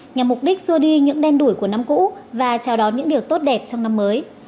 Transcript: nhằm mục đích xua đi những đen đuổi của năm cũ và chào đón những điều tốt đẹp trong năm mới